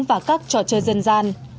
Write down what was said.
và các trò chơi dân gian